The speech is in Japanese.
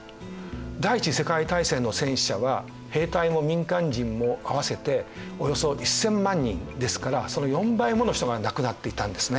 第一次世界大戦の戦死者は兵隊も民間人も合わせておよそ１０００万人ですからその４倍もの人が亡くなっていたんですね。